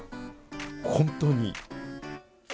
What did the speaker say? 本当に。